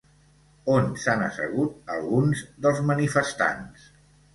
On s'han assegut alguns dels manifestants?